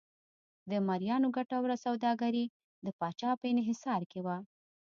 د مریانو ګټوره سوداګري د پاچا په انحصار کې وه.